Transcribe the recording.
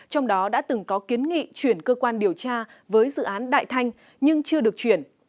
trong đó đã từng có kiến nghị chuyển cơ quan điều tra với dự án đại thanh nhưng chưa được chuyển